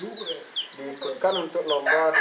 diikutkan untuk lomba di kejurnasnya